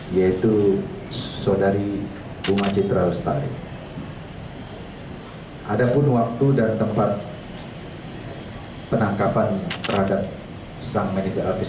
yaitu saudari bunga citra lestari ada pun waktu dan tempat penangkapan terhadap sang manajer artis